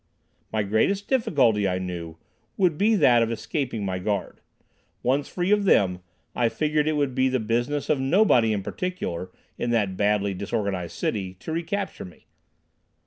My greatest difficulty, I knew, would be that of escaping my guard. Once free of them, I figured it would be the business of nobody in particular, in that badly disorganized city, to recapture me.